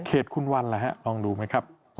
เขตคุณวันละครับลองดูไหมครับ